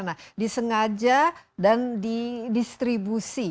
nah disengaja dan didistribusi